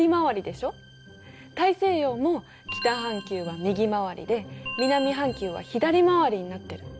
大西洋も北半球は右回りで南半球は左回りになってる。